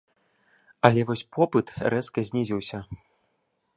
А вось попыт рэзка знізіўся.